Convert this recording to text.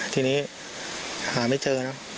ทีนี้หาไม่เจอนะ